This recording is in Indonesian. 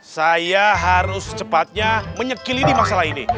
saya harus cepatnya menyekil ini masalah ini